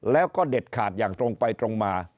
แล้วก็เด็ดขาดอย่างตรงไปตรงมา